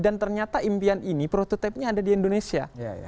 dan ternyata impian ini prototipe nya ada di indonesia